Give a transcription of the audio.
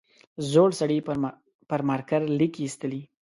زوړ سړي پر مارکر ليکې ایستلې.